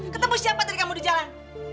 katemu siapa tadi kamu di jalan